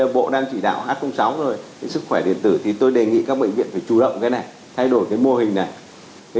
bộ đang chỉ đạo h sáu rồi sức khỏe điện tử thì tôi đề nghị các bệnh viện phải chủ động cái này thay đổi cái mô hình này